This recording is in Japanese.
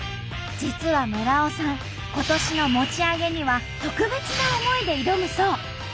実は村尾さん今年の餅上げには特別な思いで挑むそう。